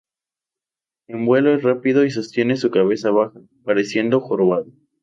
En vuelo es rápido y sostiene su cabeza baja, pareciendo jorobado.